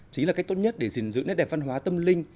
chính là cách tốt nhất để gìn giữ nét đẹp văn hóa tâm linh